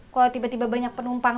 kalau tiba tiba banyak penumpang